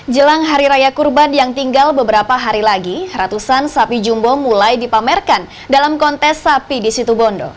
jelang hari raya kurban yang tinggal beberapa hari lagi ratusan sapi jumbo mulai dipamerkan dalam kontes sapi di situ bondo